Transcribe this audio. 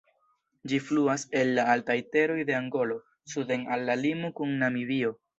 Ĝi fluas el la altaj teroj de Angolo suden al la limo kun Namibio.